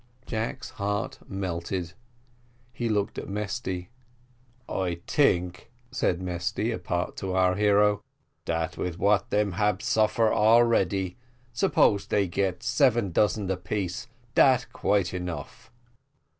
Jack's heart melted; he looked at Mesty. "I tink," said Mesty apart to our hero, "dat with what them hab suffer already, suppose they get seven dozen apiece, dat quite enough."